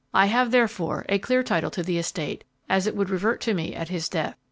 I have, therefore, a clear title to the estate, as it would revert to me at his death.